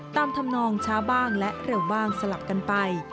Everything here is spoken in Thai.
ทำนองช้าบ้างและเร็วบ้างสลับกันไป